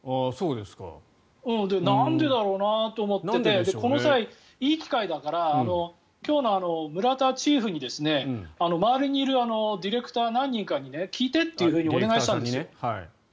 なんでだろうなと思っていてこの際、いい機会だから今日のムラタチーフに周りにいるディレクター何人かに聞いてってお願いしたんですよ。